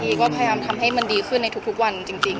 ก็พยายามทำให้มันดีขึ้นในทุกวันจริง